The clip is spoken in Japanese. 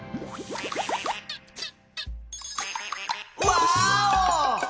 ワーオ！